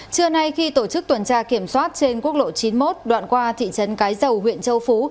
trưa nay khi tổ chức tuần tra kiểm soát trên quốc lộ chín mươi một đoạn qua thị trấn cái dầu huyện châu phú